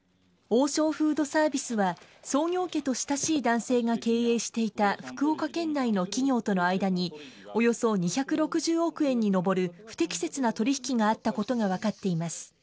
王将フードサービスは創業家と親しい男性が経営していた福岡県内の企業との間におよそ２６０億円に上る不適切な取引があったことが分かっています。